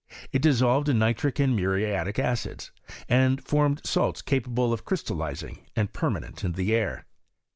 It dissolved in nitric and muriatic acids, and formed salts capable of crystallizing, and permanent in the air.